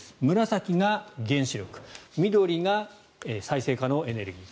紫が原子力緑が再生可能エネルギー。